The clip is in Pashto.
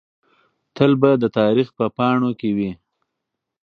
تل به د تاریخ په پاڼو کې وي.